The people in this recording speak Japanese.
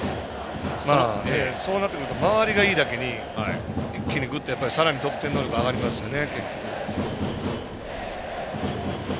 そうなってくると回りがいいだけに、一気にぐっと得点能力上がりますよね。